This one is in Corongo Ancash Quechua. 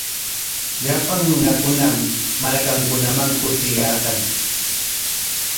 Llapan runakunam markankunaman kutiyarqan.